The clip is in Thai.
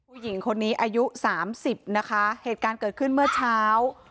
ผู้หญิงคนนี้อายุสามสิบนะคะเหตุการณ์เกิดขึ้นเมื่อเช้า